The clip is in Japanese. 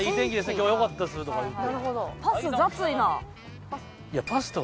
今日はよかったです」とか言って。